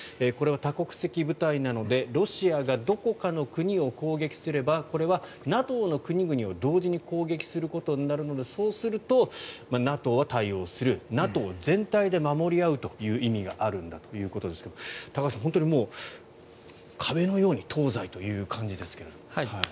これは多国籍部隊なのでロシアがどこかの国を攻撃すればこれはＮＡＴＯの国々を同時に攻撃することになるのでそうすると、ＮＡＴＯは対応するＮＡＴＯ全体で守り合うという意味があるんだということですが高橋さん、本当に壁のように東西という感じですが。